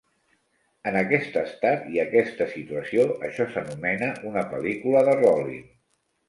En aquest estat i aquesta situació, això s'anomena una "pel·lícula de Rollin".